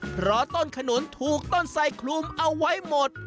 เพราะต้นขนุนถูกต้นไสคลุมเอาไว้หมด